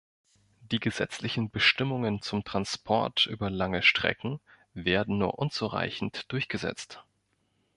Die gesetzlichen Bestimmungen zum Transport über lange Strecken werden nur unzureichend durchgesetzt.